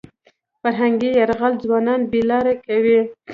فرهنګي یرغل ځوانان بې لارې کوي.